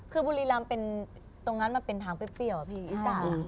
คือบุรีรำเป็นตรงนั้นมันเป็นทางเปรี้ยวพี่อีสาน